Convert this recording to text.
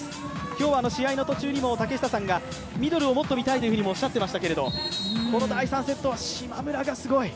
今日は試合の途中にも竹下さんがミドルをもっと見たいとおっしゃっていましたけどもこの第３セットは島村がすごい。